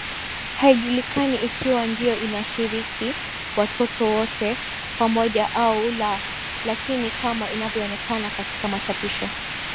Haijulikani ikiwa ndio inashiriki watoto wowote pamoja au la Lakini kama inavyoonekana katika machapisho